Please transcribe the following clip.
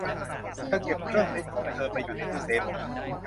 เธอเก็บเครื่องเพชรของเธอไปอยู่ในตู้เซฟนี้